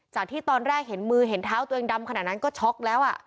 ที่ตอนแรกเห็นมือเห็นเท้าตัวเองดำขนาดนั้นก็ช็อกแล้ว